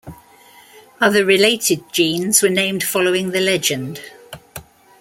Other related genes were named following the legend.